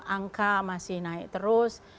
angka masih naik terus